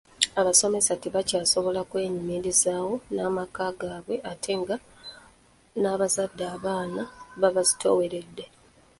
Abasomesa tebakyasobola kweyimirizaawo n’amaka gaabwe ate nga n’abazadde abaana babazitooweredde.